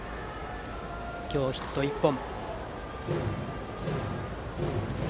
今日ヒット１本。